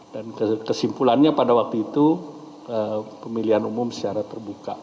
dan kesimpulannya pada waktu itu pemilihan umum secara terbuka